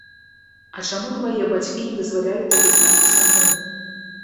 А чаму твае бацькі не дазваляюць табе знацца са мною?